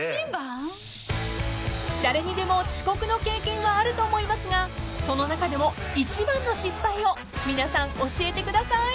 ［誰にでも遅刻の経験はあると思いますがその中でも一番の失敗を皆さん教えてください］